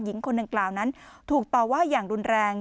หญิงคนดังกล่าวนั้นถูกต่อว่าอย่างรุนแรง